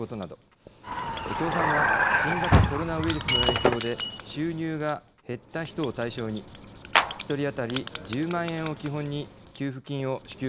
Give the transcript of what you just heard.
共産は新型コロナウイルスの影響で収入が減った人を対象に一人当たり１０万円を基本に給付金を支給することなど。